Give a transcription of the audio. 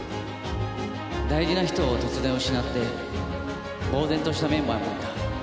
大事な人を突然失ってぼう然としたメンバーもいた。